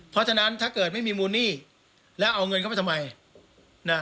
เพราะฉะนั้นถ้าเกิดไม่มีมูลหนี้แล้วเอาเงินเข้าไปทำไมนะ